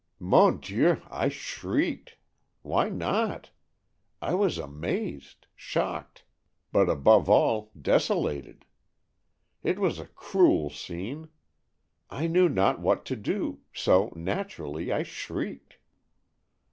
"Mon Dieu! I shrieked! Why not? I was amazed, shocked, but, above all, desolated! It was a cruel scene. I knew not what to do, so, naturally, I shrieked."